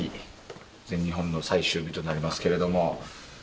全日本の最終日となりますけれども。